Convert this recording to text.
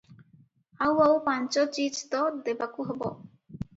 ଆଉ ଆଉ ପାଞ୍ଚ ଚିଜ ତ ଦେବାକୁ ହେବ ।